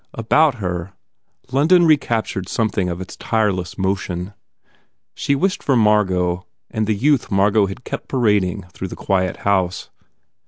About her, London recaptured something of its tireless motion. She wished for Margot and the youth Margot had kept parading through the quiet house.